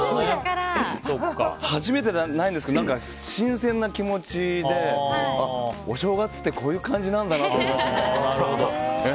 初めてじゃないんですけど新鮮な気持ちであ、お正月ってこういう感じなんだなって。